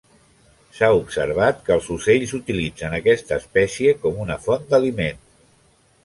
S'ha observat que els ocells utilitzen aquesta espècie com una font d'aliment.